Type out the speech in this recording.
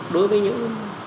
đối với những